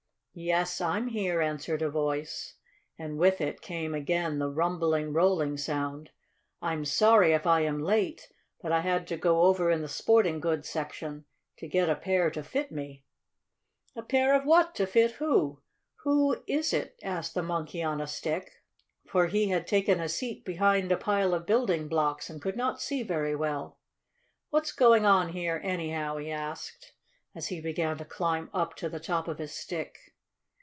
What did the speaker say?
"Yes, I'm here," answered a voice, and with it came again the rumbling, rolling sound. "I'm sorry if I am late, but I had to go over in the sporting goods section to get a pair to fit me." "A pair of what to fit who? Who is it?" asked the Monkey on a Stick, for he had taken a seat behind a pile of building blocks, and could not see very well. "What's going on here, anyhow?" he asked, as he began to climb up to the top of his stick.